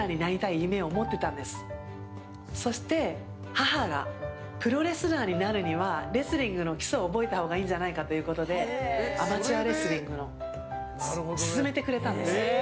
母が、プロレスラーになるにはレスリングの基礎を覚えたらいいんじゃないかということでアマチュアレスリングを勧めてくれたんです。